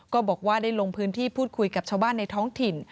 ก็บอกว่าได้ลงพื้นที่พูดคุยกับชาวบ้านในท้องถิ่น